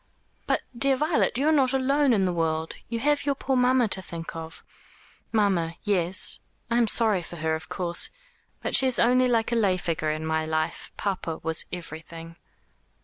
"But, dear Violet, you are not alone in the world. You have your poor mamma to think of." "Mamma yes. I am sorry for her, of course. But she is only like a lay figure in my life. Papa was everything."